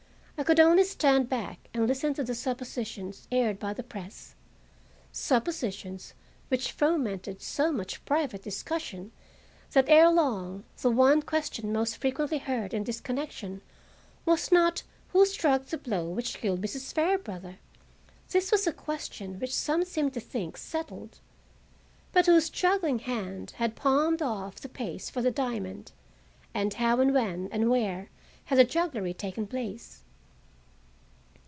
I could only stand back and listen to the suppositions aired by the press, suppositions which fomented so much private discussion that ere long the one question most frequently heard in this connection was not who struck the blow which killed Mrs. Fairbrother (this was a question which some seemed to think settled), but whose juggling hand had palmed off the paste for the diamond, and how and when and where had the jugglery taken place?